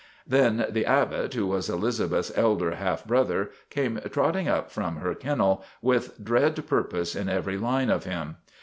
" Then The Abbot, who was Elizabeth's elder half brother, came trotting up from her kennel, with dread purpose in every line of him.